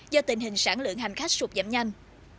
do tình hình sản lượng hành khách sụt giảm nhanh